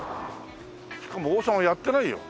しかも王様やってないよ。